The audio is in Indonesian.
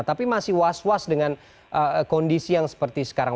tapi masih was was dengan kondisi yang seperti sekarang